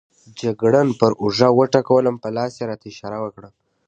جګړن پر اوږه وټکولم، په لاس یې راته اشاره وکړه.